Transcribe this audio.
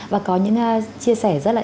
và có những chia sẻ rất là